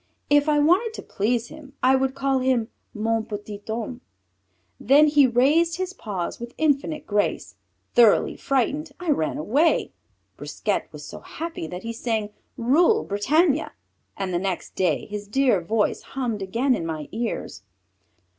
If I wanted to please him I would call him, Mon petit homme! Then he raised his paws with infinite grace. Thoroughly frightened I ran away. Brisquet was so happy that he sang Rule Britannia, and the next day his dear voice hummed again in my ears.